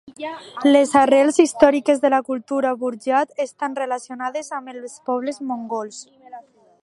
Les arrels històriques de la cultura buryat estan relacionades amb els pobles mongols.